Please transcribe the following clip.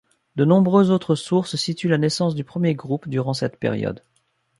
De nombreuses autres sources situent la naissance du premier groupe durant cette période.